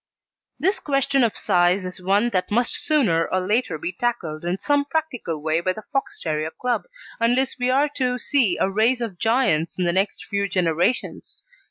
This question of size is one that must sooner or later be tackled in some practical way by the Fox terrier Club, unless we are to see a race of giants in the next few generations.